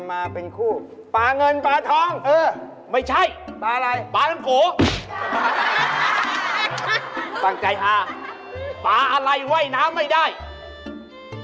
แบบท้ายปันหายเกี่ยวกับปลาไหม